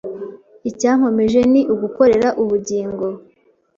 Icyankomeje ni ugukorera ubugingo